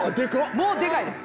もうでかいです。